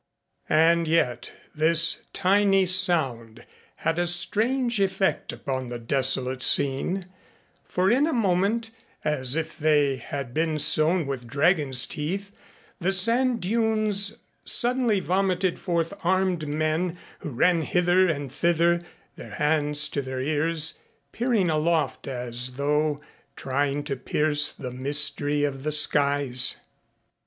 And yet this tiny sound had a strange effect upon the desolate scene, for in a moment, as if they had been sown with dragon's teeth, the sand dunes suddenly vomited forth armed men who ran hither and thither, their hands to their ears, peering aloft as though trying to pierce the mystery of the skies.